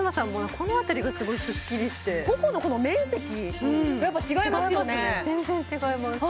この辺りがすごいスッキリして頬の面積やっぱ違いますよね全然違います